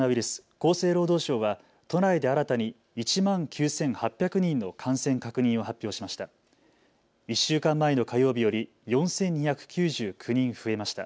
厚生労働省は都内で新たに１万９８００人の感染確認を発表しました。